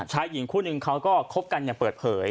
หญิงคู่นึงเขาก็คบกันอย่างเปิดเผย